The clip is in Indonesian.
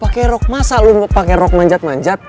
pake rok masa lo mau pake rok manjat manjat